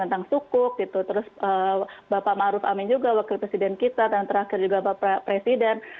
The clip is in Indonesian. tentang sukuk gitu terus bapak maruf amin juga wakil presiden kita dan terakhir juga bapak presiden